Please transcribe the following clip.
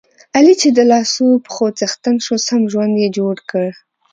علي چې د لاسو پښو څښتن شو، سم ژوند یې جوړ کړ.